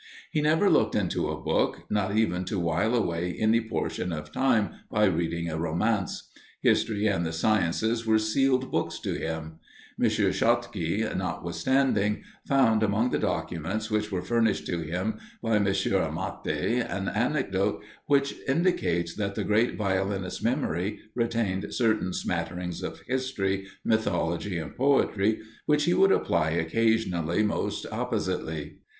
He never looked into a book, not even to wile away any portion of time by reading a romance. History and the sciences were sealed books to him. M. Schottky, notwithstanding, found among the documents which were furnished to him by M. Amati, an anecdote which indicates that the great violinist's memory retained certain smatterings of history, mythology, and poetry, which he would apply occasionally most oppositely.